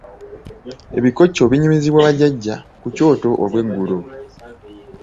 Ebikoco binyumizibwa bajjajja ku kyoto olweggulo.